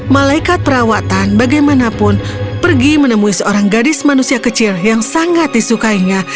malaikat perawatan bagaimanapun pergi menemui seorang gadis manusia kecil yang sangat disukainya